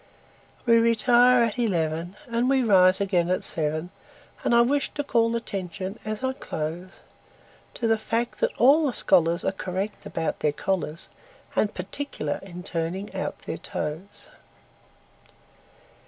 We retire at eleven, And we rise again at seven; And I wish to call attention, as I close, To the fact that all the scholarsAre correct about their collars, And particular in turning out their toes.